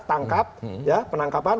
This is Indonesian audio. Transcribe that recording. tangkap ya penangkapan